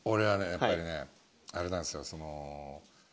やっぱりねあれなんですよその。